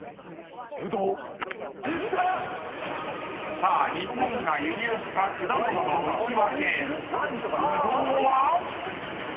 ［さあ日本が輸入した果物のウチワケブドウは⁉］